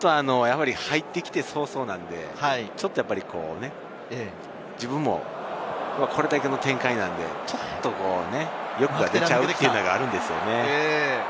入ってきて早々なので、ちょっと自分も、これだけの展開なので、欲が出ちゃうというのがあるでしょう。